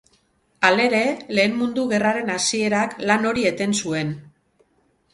Halere, Lehen Mundu Gerraren hasierak lan hori eten zuen.